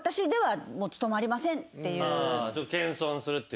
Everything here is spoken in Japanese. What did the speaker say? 謙遜するっていうか。